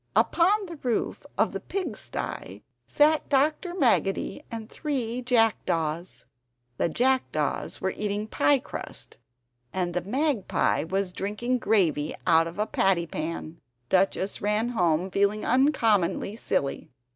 Upon the roof of the pig stye sat Dr. Maggotty and three jackdaws. The jackdaws were eating piecrust, and the magpie was drinking gravy out of a patty pan. Duchess ran home feeling uncommonly silly!